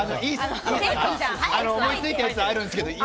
思いついたやつ、あるんですけど。